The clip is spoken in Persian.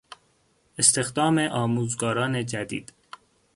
استخدام آموزگاران جدید